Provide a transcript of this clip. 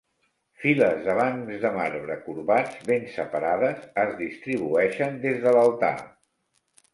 Files de bancs de marbre corbats, ben separades, es distribueixen des de l'altar.